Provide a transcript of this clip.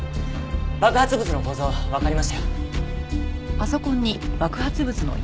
爆発物の構造わかりましたよ。